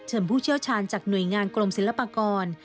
ผู้เชี่ยวชาญจากหน่วยงานกรมศิลปากร